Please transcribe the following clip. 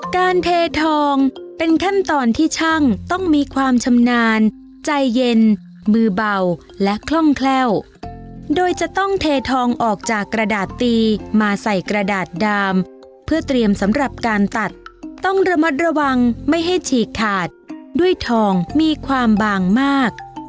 เททองเป็นขั้นตอนที่ช่างต้องมีความชำนาญใจเย็นมือเบาและคล่องแคล่วโดยจะต้องเททองออกจากกระดาษตีมาใส่กระดาษดามเพื่อเตรียมสำหรับการตัดต้องระมัดระวังไม่ให้ฉีกขาดด้วยทองมีความบางมาก